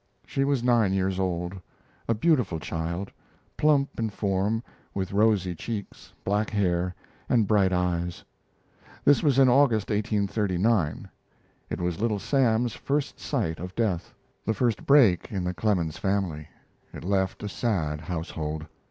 She was nine years old, a beautiful child, plump in form, with rosy cheeks, black hair, and bright eyes. This was in August, 1839. It was Little Sam's first sight of death the first break in the Clemens family: it left a sad household.